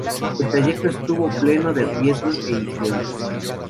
El trayecto estuvo pleno de riesgos e incidentes.